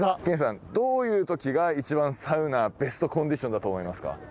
ケンチさんどういう時が一番サウナベストコンディションだと思いますか？